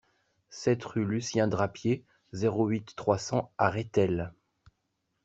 sept rue Lucien Drapier, zéro huit, trois cents à Rethel